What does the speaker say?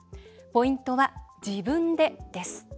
ポイントは「自分で」です。